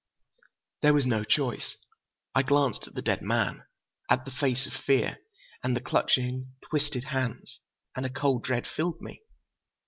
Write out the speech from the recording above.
There was no choice. I glanced at the dead man, at the face of fear and the clutching, twisted hands, and a cold dread filled me.